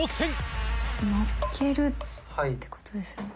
のっけるっていうことですよね。